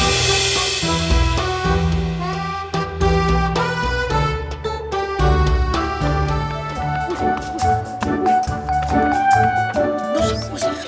sekarang kalian yang coba jaganya ya